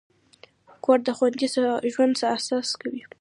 کور د خوندي ژوند اساس دی.